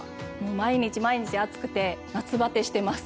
毎日毎日暑くて夏バテしてます。